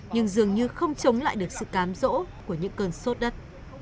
nhưng dường như không chống lại được sự cám rỗ của những cơn sốt đất